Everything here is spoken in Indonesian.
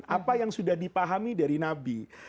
apa yang sudah dipahami dari nabi